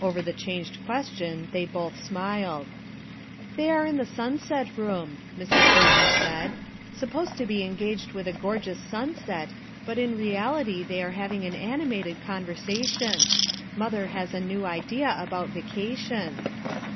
Over the changed ques tion they both smiled. "They are in the sunset room," Mrs. Burn ham said, "supposed to be engaged with a gor geous sunset, but in reality they are having an 13 14 FOUR MOTHERS AT CHAUTAUQUA animated conversation. Mother lias a new idea about vacation."